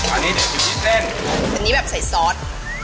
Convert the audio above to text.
อันนี้เดี๋ยวอยู่ที่เส้นอันนี้แบบใส่ซอส